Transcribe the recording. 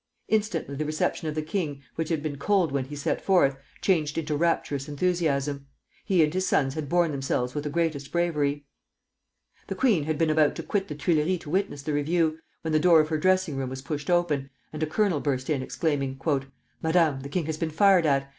Instantly the reception of the king, which had been cold when he set forth, changed into rapturous enthusiasm. He and his sons had borne themselves with the greatest bravery. The queen had been about to quit the Tuileries to witness the review, when the door of her dressing room was pushed open, and a colonel burst in, exclaiming: "Madame, the king has been fired at.